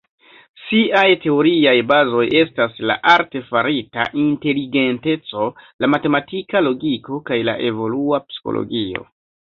Siaj teoriaj bazoj estas la artefarita inteligenteco, la matematika logiko kaj la evolua psikologio.